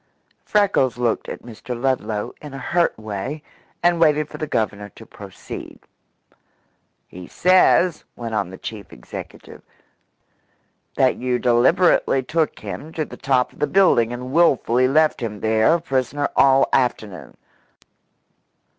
Freckles looked at Mr. Ludlow in a hurt way, and waited for the Governor to proceed. "He says," went on the chief executive, "that you deliberately took him to the top of the building and wilfully left him there a prisoner all afternoon.